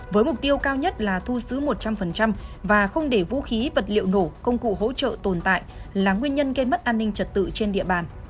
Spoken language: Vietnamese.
với mục tiêu cao nhất là thu giữ một trăm linh và không để vũ khí vật liệu nổ công cụ hỗ trợ tồn tại là nguyên nhân gây mất an ninh trật tự trên địa bàn